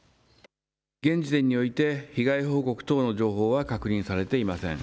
現時点において被害報告等の情報は確認されていません。